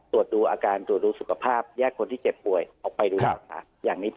ตรวจดูอาการตรวจดูสุขภาพแยกคนที่เจ็บป่วยออกไปดูนะครับ